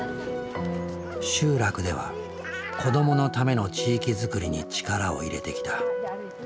集落では子どものための地域づくりに力を入れてきた。